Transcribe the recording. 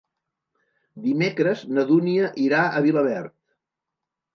Dimecres na Dúnia irà a Vilaverd.